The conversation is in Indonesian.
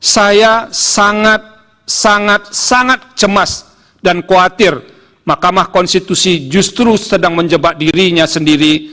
saya sangat sangat cemas dan khawatir mahkamah konstitusi justru sedang menjebak dirinya sendiri